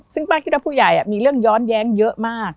ซึ่งป้าคิดว่าผู้ใหญ่มีเรื่องย้อนแย้งเยอะมาก